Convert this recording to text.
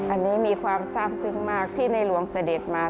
อันนี้มีความทราบซึ้งมากที่ในหลวงเสด็จมา